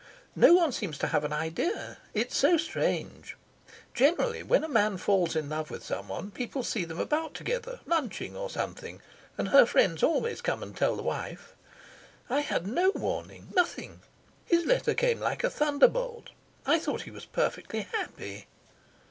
No one seems to have an idea. It's so strange. Generally when a man falls in love with someone people see them about together, lunching or something, and her friends always come and tell the wife. I had no warning nothing. His letter came like a thunderbolt. I thought he was perfectly happy."